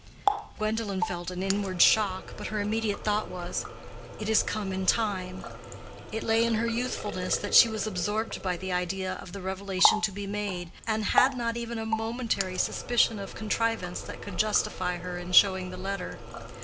Gwendolen felt an inward shock, but her immediate thought was, "It is come in time." It lay in her youthfulness that she was absorbed by the idea of the revelation to be made, and had not even a momentary suspicion of contrivance that could justify her in showing the letter.